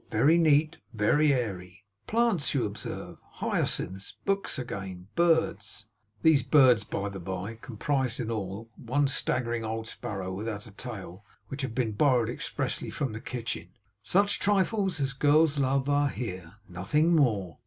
Very neat. Very airy. Plants you observe; hyacinths; books again; birds.' These birds, by the bye, comprised, in all, one staggering old sparrow without a tail, which had been borrowed expressly from the kitchen. 'Such trifles as girls love are here. Nothing more.